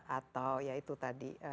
atau ya itu tadi